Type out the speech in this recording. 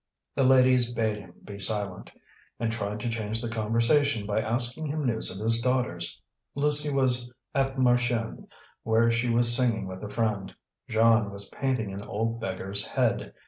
The ladies bade him be silent, and tried to change the conversation by asking him news of his daughters. Lucie was at Marchiennes, where she was singing with a friend; Jeanne was painting an old beggar's head.